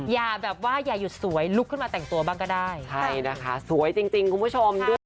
อย่าแบบว่าอย่าหยุดสวยลุกขึ้นมาแต่งตัวบ้างก็ได้ใช่นะคะสวยจริงคุณผู้ชม